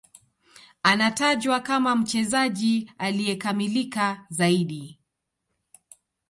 Anatajwa kama mchezaji aliyekamilika zaidi